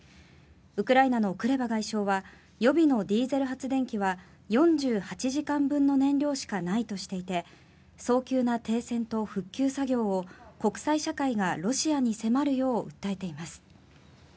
ウクライナのクレバ外相は予備のディーゼル発電機は４８時間分の燃料しかないとしていて早急な停戦と復旧作業を国際社会がロシアに迫るよう訴えています。